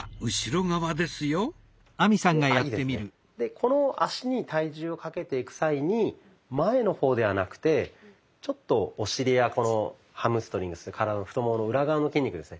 この脚に体重をかけていく際に前の方ではなくてちょっとお尻やハムストリングス体の太ももの裏側の筋肉ですね